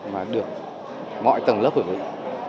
mà được mọi tầng lớp hưởng ứng